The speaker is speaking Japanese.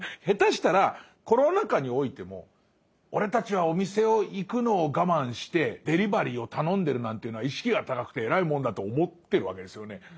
下手したらコロナ禍においても俺たちはお店を行くのを我慢してデリバリーを頼んでるなんていうのは意識が高くて偉いもんだと思ってるわけですよね。